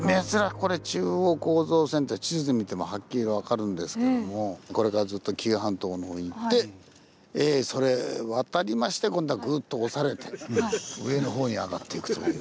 これ中央構造線って地図で見てもはっきり分かるんですけどもこれからずっと紀伊半島の方に行ってえそれ渡りまして今度はグッと押されて上の方に上がっていくという。